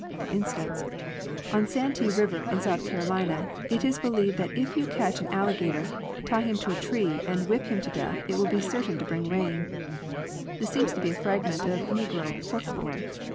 For instance, on Santee river, in South Carolina, it is believed that if you catch an alligator, tie him to a tree, and whip him to death it will be certain to bring rain (Dr W. W. Anderson). This seems to be a fragment of negro folk lore.